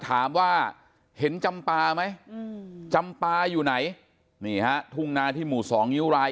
ถามว่าเห็นจำปลาไหมจำปลาอยู่ไหนนี่ฮะทุ่งนาที่หมู่สองงิ้วราย